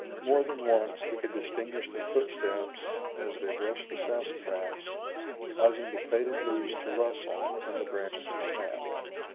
More than once he could distinguish their footsteps, as they brushed the sassafras, causing the faded leaves to rustle, and the branches to snap.